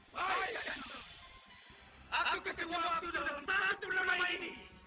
baiklah gantung aku kasih waktunya dalam tahan tunduk lama ini